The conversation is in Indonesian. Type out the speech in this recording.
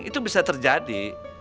itu bisa terjadi